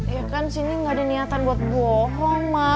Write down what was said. ya kan sini gak ada niatan buat bohong